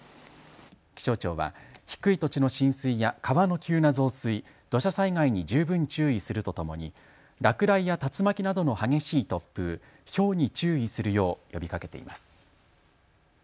気象庁は低い土地の浸水や川の急な増水、土砂災害に十分注意するとともに落雷や竜巻などの激しい突風、ひょうに注意するよう呼びかけています。